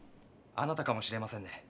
あなたかもしれませんね。